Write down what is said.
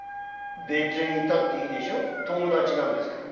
別にいたっていいでしょ友達なんですから。